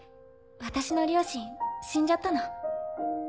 私の両親死んじゃったの。